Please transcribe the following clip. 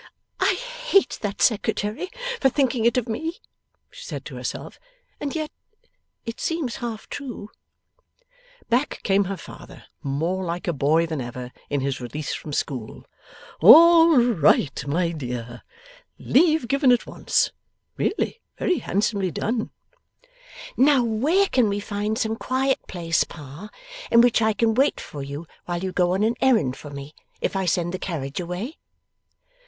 'I hate that Secretary for thinking it of me,' she said to herself, 'and yet it seems half true!' Back came her father, more like a boy than ever, in his release from school. 'All right, my dear. Leave given at once. Really very handsomely done!' 'Now where can we find some quiet place, Pa, in which I can wait for you while you go on an errand for me, if I send the carriage away?